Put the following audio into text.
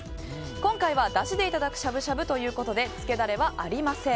今回は、だしでいただくしゃぶしゃぶということでつけダレはありません。